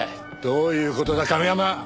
どういう事だ亀山！